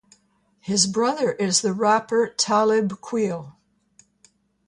His brother is the rapper Talib Kweli.